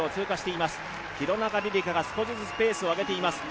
廣中璃梨佳が少しずつペースを上げています。